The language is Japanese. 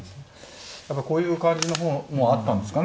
やっぱこういう感じもあったんですかね。